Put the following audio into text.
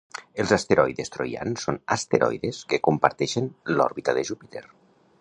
Els asteroides troians són asteroides que comparteixen l'òrbita de Júpiter